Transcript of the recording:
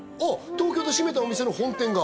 東京で閉めたお店の本店が？